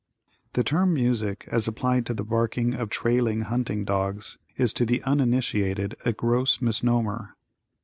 The term "music" as applied to the barking of trailing hunting dogs, is to the uninitiated a gross misnomer.